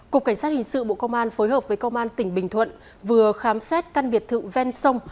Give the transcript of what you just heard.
cục cảnh sát hình sự bộ công an phối hợp với công an tỉnh bình thuận vừa khám xét căn biệt thự ven sông